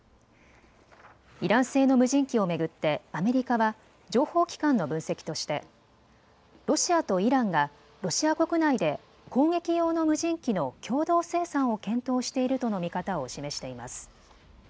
イラン製の無人機を巡ってアメリカは情報機関の分析としてロシアとイランがロシア国内で攻撃用の無人機の共同生産を検討しているとの見方を示しています。